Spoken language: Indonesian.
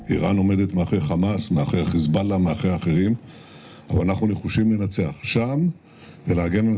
iran berada di belakang hamas di belakang hezbollah di belakang lainnya